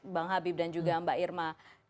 bang habib dan juga mbak irma